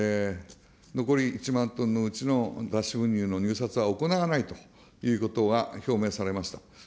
残り１万トンのうちの脱脂粉乳の入札は行わないということは、表明されました。